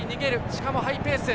しかもハイペース。